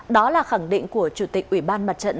đó là khẳng định của chủ tịch ủy ban mặt trận